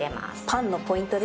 パンのポイントですね。